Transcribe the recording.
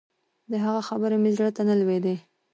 د هغه خبرې مې زړه ته نه لوېدې.